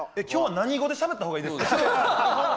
今日は何語でしゃべったほうがいいですかね。